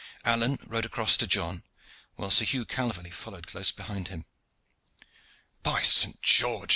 Alleyne rode across to John, while Sir Hugh Calverley followed close behind him. "By Saint George!"